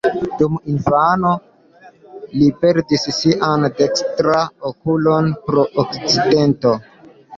Dum infano li perdis sian dekstran okulon pro akcidento.